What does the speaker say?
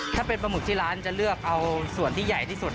ถ้าเป็นปลาหมึกที่ร้านจะเลือกเอาส่วนที่ใหญ่ที่สุด